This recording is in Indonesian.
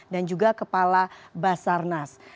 dan juga kepala basarnas